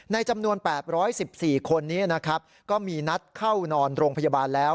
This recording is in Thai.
จำนวน๘๑๔คนนี้นะครับก็มีนัดเข้านอนโรงพยาบาลแล้ว